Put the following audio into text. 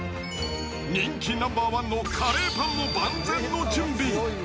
人気ナンバー１のカレーパンも万全の準備。